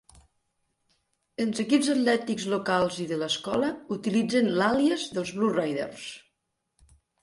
Els equips atlètics locals i de l"escola utilitzen l"àlies dels Blue Raiders.